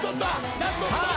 さあ